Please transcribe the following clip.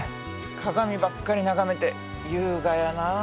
鏡ばっかり眺めて優雅やなあ。